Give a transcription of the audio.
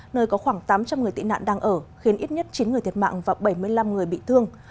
nơi có khoảng tám trăm linh người tị nạn đang ở khiến ít nhất chín người thiệt mạng và bảy mươi năm người bị thương